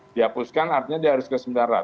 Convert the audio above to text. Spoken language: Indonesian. diapuskan artinya dia harus ke sembilan ratus